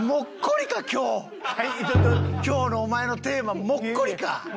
今日のお前のテーマモッコリか！